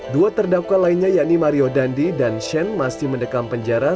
dua terdakwa lainnya yakni mario dandi dan shane masih mendekam penjara